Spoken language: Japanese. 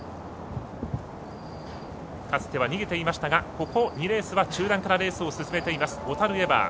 かつては逃げていましたがここ２レースは中団からレースを続けていますオタルエバー。